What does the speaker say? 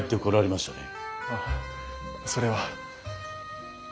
あっそれは。